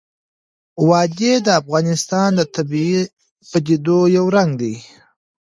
وادي د افغانستان د طبیعي پدیدو یو رنګ دی.